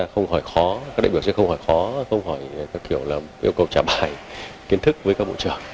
không hỏi khó các đại biểu sẽ không hỏi khó không hỏi kiểu là yêu cầu trả bài kiến thức với các bộ trưởng